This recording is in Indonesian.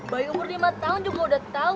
bayi umur lima tahun juga udah tahu